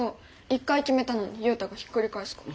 一回決めたのにユウタがひっくり返すから。